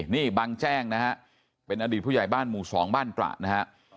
นี่บางแจ้งนะฮะเป็นอดีตผู้ใหญ่บ้านหมู่๒บ้านตระนะฮะ